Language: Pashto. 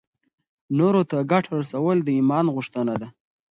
نورو ته ګټه رسول د ایمان غوښتنه ده.